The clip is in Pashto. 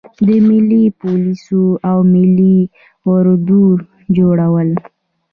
د ملي پولیسو او ملي اردو جوړول.